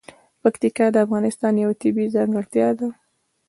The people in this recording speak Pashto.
پکتیکا د افغانستان یوه طبیعي ځانګړتیا ده.